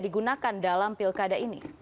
digunakan dalam pilkada ini